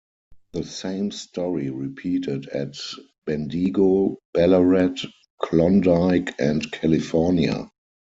The same story repeated at Bendigo, Ballarat, Klondike and California.